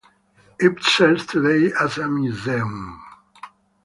It serves today as a museum.